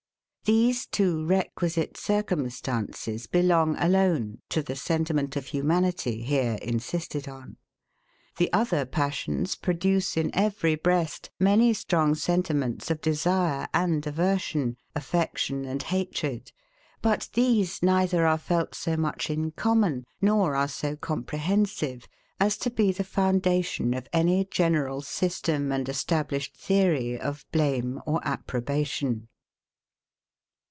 These two requisite circumstances belong alone to the sentiment of humanity here insisted on. The other passions produce in every breast, many strong sentiments of desire and aversion, affection and hatred; but these neither are felt so much in common, nor are so comprehensive, as to be the foundation of any general system and established theory of blame or approbation.